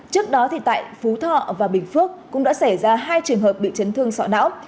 trước đó tại phú thọ và bình phước cũng đã xảy ra hai trường hợp bị chấn thương sọ não